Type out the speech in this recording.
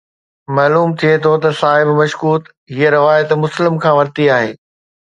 معلوم ٿئي ٿو ته صاحب مشڪوت هيءَ روايت مسلم کان ورتي آهي